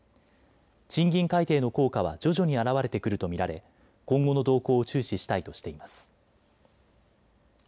賃金改定の効果は徐々に現れてくると見られ今後の動向を注視したいとしています。